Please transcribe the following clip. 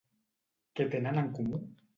Què tenen en comú?